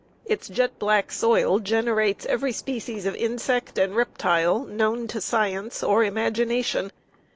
Its jet black soil generates every species of insect and reptile known to science or imagination.